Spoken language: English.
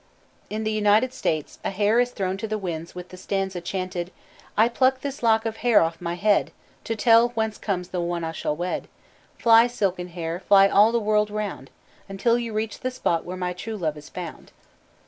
In the United States a hair is thrown to the winds with the stanza chanted: "I pluck this lock of hair off my head To tell whence comes the one I shall wed. Fly, silken hair, fly all the world around, Until you reach the spot where my true love is found."